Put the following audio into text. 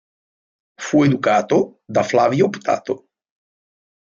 Fu educato da Flavio Optato.